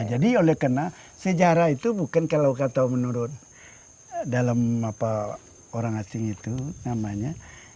jadi oleh karena sejarah itu bukan kalau kata menurut dalam orang asing itu namanya